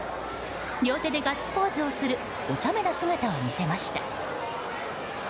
両手でガッツポーズをするおちゃめな姿を見せました。